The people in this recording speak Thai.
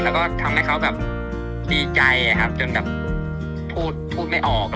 แล้วทำให้เขาก็ดีใจจนแบบพูดไม่ออก